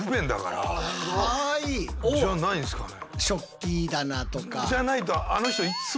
じゃないんですかね。